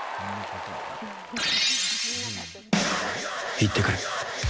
行ってくれ。